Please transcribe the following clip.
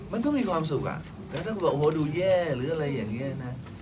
มันก็มีความสุขอ่ะแต่ถ้าบอกโอ้โหดูแย่หรืออะไรอย่างนี้นะ